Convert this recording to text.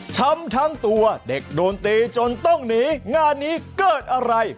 ทั้งตัวเด็กโดนตีจนต้องหนีงานนี้เกิดอะไร